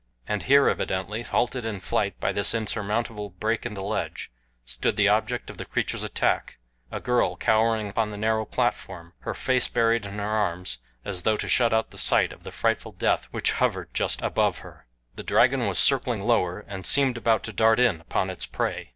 And here, evidently halted in flight by this insurmountable break in the ledge, stood the object of the creature's attack a girl cowering upon the narrow platform, her face buried in her arms, as though to shut out the sight of the frightful death which hovered just above her. The dragon was circling lower, and seemed about to dart in upon its prey.